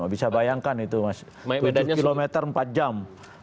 bisa bayangkan itu mas tujuh km empat jam